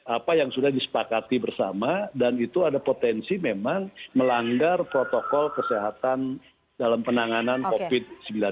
apa yang sudah disepakati bersama dan itu ada potensi memang melanggar protokol kesehatan dalam penanganan covid sembilan belas